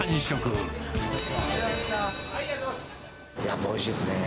やっぱおいしいですね。